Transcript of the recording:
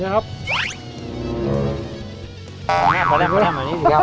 มาแรบหน่อยนิดนึงนะครับ